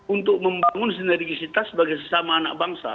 untuk membangun sinergisitas sebagai sesama anak bangsa